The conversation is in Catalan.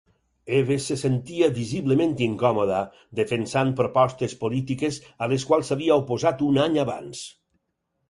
Eves se sentia visiblement incòmoda defensant propostes polítiques a les quals s'havia oposat un any abans.